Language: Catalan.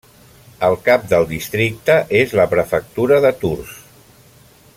El cap del districte és la prefectura de Tours.